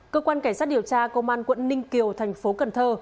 cơ quan cảnh sát điều tra công an quận ninh kiều thành phố cần thơ